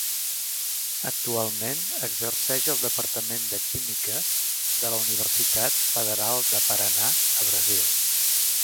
Actualment exerceix al Departament de Química de la Universitat Federal de Paranà a Brasil.